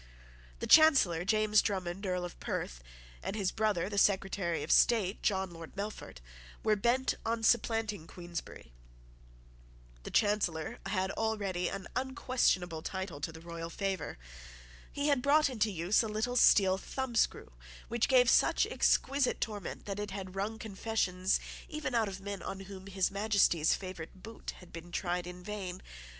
The Chancellor, James Drummond, Earl of Perth, and his brother, the Secretary of State, John Lord Melfort, were bent on supplanting Queensberry. The Chancellor had already an unquestionable title to the royal favour. He had brought into use a little steel thumbscrew which gave such exquisite torment that it had wrung confessions even out of men on whom His Majesty's favourite boot had been tried in vain.